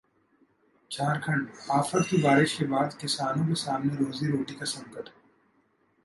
झारखंड: आफत की बारिश के बाद किसानों के सामने रोजी-रोटी का संकट